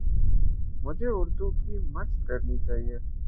مجھے اردو کی مَشق کرنی چاہیے